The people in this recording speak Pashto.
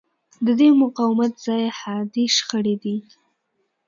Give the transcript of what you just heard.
د دې مقاومت ځای حادې شخړې دي.